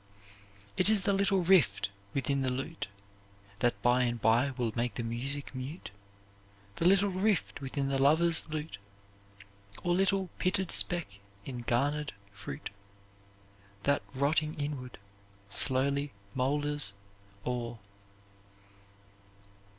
"It is the little rift within the lute That by and by will make the music mute, The little rift within the lover's lute Or little pitted speck in garnered fruit That rotting inward slowly molders all."